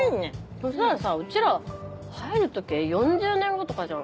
そしたらさうちら入る時４０年後とかじゃん